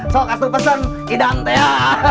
sok kartu pesen idam teh